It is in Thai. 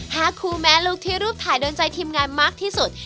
หากคู่แม่ลูกที่รูปถ่ายโดนใจทีมงานมากที่สุด